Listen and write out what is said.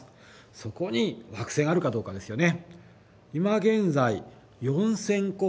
そこに惑星があるかどうかですよね。